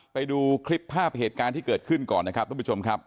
ไปดูคลิปภาพเหตุการณ์ที่เกิดขึ้นก่อนนะครับทุกผู้ชมครับ